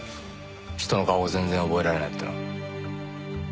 人の顔を全然覚えられないってのは。